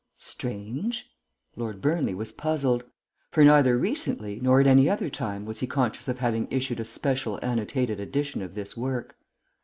Strange! Lord Burnley was puzzled. For neither recently nor at any other time was he conscious of having issued a special annotated edition of this work.